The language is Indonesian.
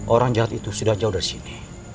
orang jahat itu sudah jauh dari sini